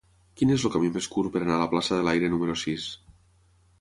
Quin és el camí més curt per anar a la plaça de l'Aire número sis?